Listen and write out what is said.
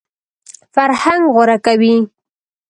فرهنګ غوره کوي.